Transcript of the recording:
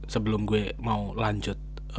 sebelum gue mau lanjut